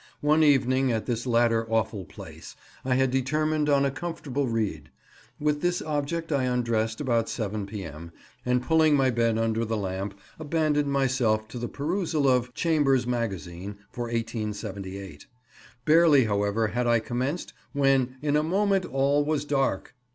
One evening, at this latter awful place, I had determined on a comfortable read; with this object I undressed about 7 P.M., and, pulling my bed under the lamp, abandoned myself to the perusal of Chambers' Magazine, for 1878. Barely, however, had I commenced, when "in a moment all was dark."